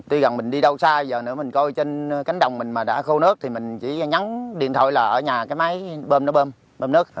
tuy gần mình đi đâu xa giờ nữa mình coi trên cánh đồng mình mà đã khô nước thì mình chỉ nhắn điện thoại là ở nhà cái máy bơm nó bơm bơm nước